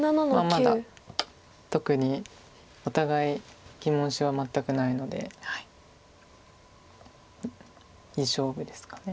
まだ特にお互い疑問手は全くないのでいい勝負ですかね。